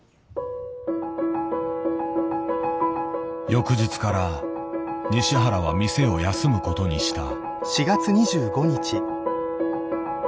翌日から西原は店を休むことにした。